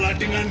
kau akan menang